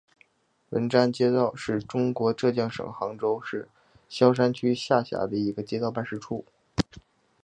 闻堰街道是中国浙江省杭州市萧山区下辖的一个街道办事处。